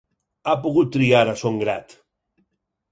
Ha pogut triar a son grat.